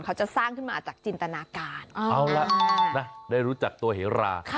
เขาจะสร้างขึ้นมาจากจินตนาการเอาล่ะได้รู้จักตัวเหรา